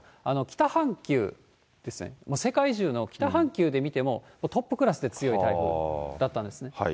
北半球ですね、世界中の北半球で見ても、トップクラスで強い台風だったんですね。